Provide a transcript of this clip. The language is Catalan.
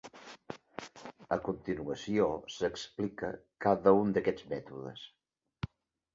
A continuació s'explica cada un d'aquests mètodes.